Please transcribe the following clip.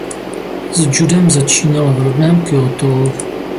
S judem začínala v rodném Kjóto.